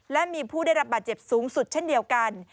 และมีผู้ได้รับบาดเจ็บสูงสุดเช่นเดียวกัน